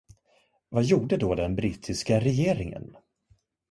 Vad gjorde då den brittiska regeringen?